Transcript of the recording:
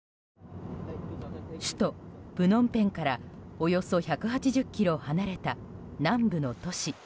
首都プノンペンからおよそ１８０ｋｍ離れた南部の都市